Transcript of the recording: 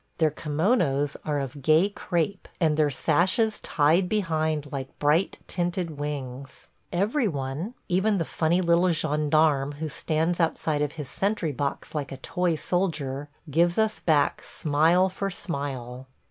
Their kimonos are of gay crape, and their sashes tied behind like bright tinted wings. Every one – even the funny little gendarme who stands outside of his sentry box like a toy soldier – gives us back smile for smile.